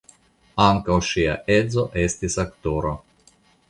Ankaŭ ŝia edzo estis aktoro.